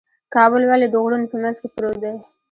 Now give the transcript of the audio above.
کابل ولې د غرونو په منځ کې پروت دی؟